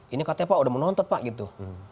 ini katanya pak udah menonton pak gitu